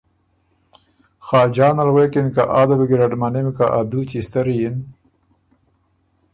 خاجان ال غوېکِن که ”آ ده بو ګیرډ مَنِم که ا دُوچی ستری یِن“